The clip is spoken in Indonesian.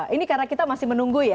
ini karena kita masih menunggu ya